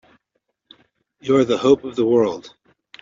You're the hope of the world!